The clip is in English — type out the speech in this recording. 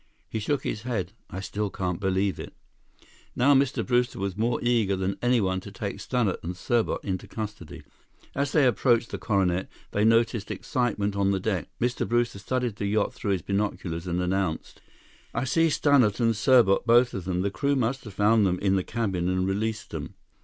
He shook his head. "I still can't believe it." Now Mr. Brewster was more eager than anyone to take Stannart and Serbot into custody. As they approached the Coronet, they noticed excitement on the deck. Mr. Brewster studied the yacht through his binoculars and announced: "I see Stannart and Serbot, both of them. The crew must have found them in the cabin and released them."